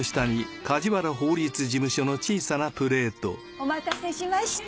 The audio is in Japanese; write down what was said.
お待たせしました。